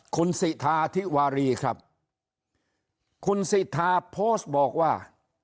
คุณสิทาธิวารีครับคุณสิทธาโพสต์บอกว่า